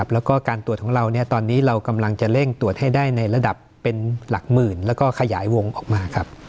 แล้วก็การตรวจของเราตอนนี้เรากำลังจะเร่งตรวจให้ได้ในระดับเป็นหลักหมื่นแล้วก็ขยายวงออกมา